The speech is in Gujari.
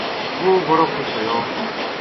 وہ بڑو خوش ہویو